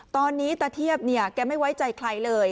ตอนนี้ตะเทียบเนี่ยแกไม่ไว้ใจใครเลย